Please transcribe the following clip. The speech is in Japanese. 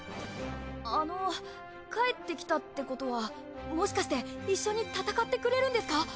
あの帰ってきたってことはもしかして一緒に戦ってくれるんですか？